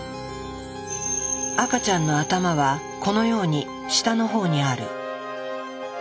赤ちゃんの頭はこのように下の方にある。